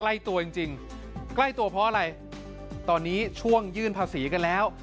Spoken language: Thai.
ใกล้ตัวจริงจริงใกล้ตัวเพราะอะไรตอนนี้ช่วงยื่นภาษีกันแล้ว